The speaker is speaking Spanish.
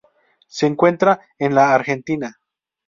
Se encuentra en la Argentina.